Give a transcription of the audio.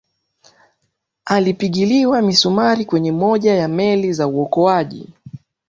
alipigiliwa misumari kwenye moja ya meli za uokoaji